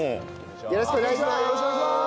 よろしくお願いします。